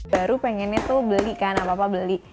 baru pengennya tuh beli kan apa apa beli